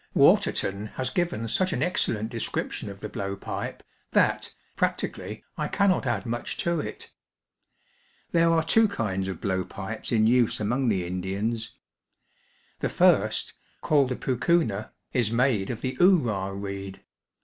Waterton has given such an excellent description of the blow pipe that, practically, I cannot add much to it. There are two kinds of blow pipes in use among the Indians. The first, called the poocoona, is made of the oorah reed.